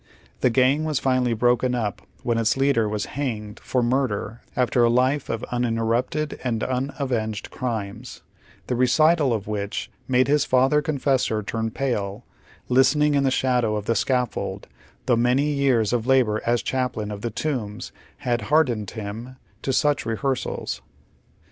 The gang was finally broken up when its leader was hanged for murder after a life of unuiterrupted and unavenged crimes, the recital of which made his father confessor turn pale, listening in the shadow of the scaffold, though many yeai s of labor as chaplain of the Tombs liad hardened him to such rehearsals.